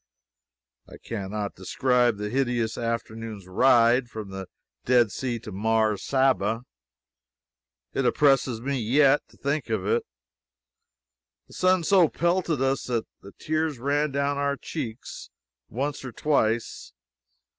I can not describe the hideous afternoon's ride from the Dead Sea to Mars Saba. It oppresses me yet, to think of it. The sun so pelted us that the tears ran down our cheeks once or twice.